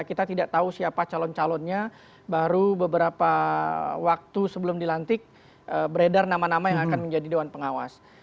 kita tidak tahu siapa calon calonnya baru beberapa waktu sebelum dilantik beredar nama nama yang akan menjadi dewan pengawas